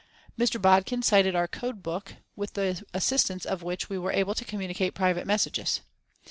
Mr. Bodkin cited our code book with the assistance of which we were able to communicate private messages.